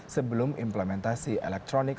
sebelum implementasi elektronik